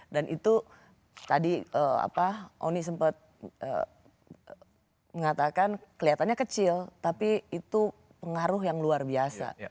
dan itu tadi apa oni sempet mengatakan kelihatannya kecil tapi itu pengaruh yang luar biasa